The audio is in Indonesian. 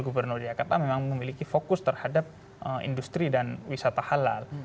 gubernur dki jakarta memang memiliki fokus terhadap industri dan wisata halal